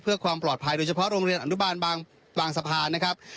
เพื่อความปลอดภัยโดยเฉพาะโรงเรียนอนุบาลบางสะพานนะครับ